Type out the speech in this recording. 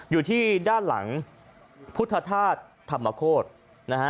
อยู่ที่ด้านหลังพุทธธาตุธรรมโคตรนะฮะ